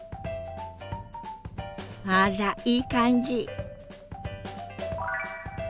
あらいい感じ！